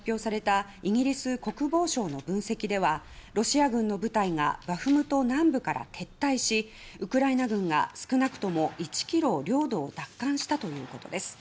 １３日に発表されたイギリス国防省の分析ではロシア軍の部隊がバフムト南部から撤退しウクライナ軍が少なくとも１ｋｍ領土を奪還したということです。